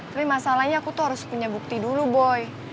tapi masalahnya aku tuh harus punya bukti dulu boy